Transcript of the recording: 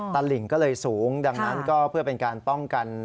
ตลิ่งก็เลยสูงดังนั้นก็เพื่อเป็นการป้องกัน